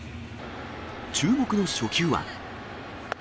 注目の初球は。